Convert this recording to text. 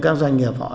rất là phân khởi